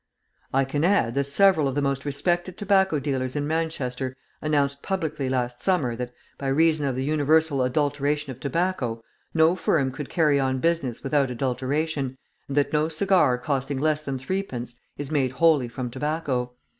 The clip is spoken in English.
I can add that several of the most respected tobacco dealers in Manchester announced publicly last summer, that, by reason of the universal adulteration of tobacco, no firm could carry on business without adulteration, and that no cigar costing less than threepence is made wholly from tobacco.